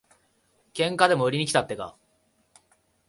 喧嘩でも売りにきたってか。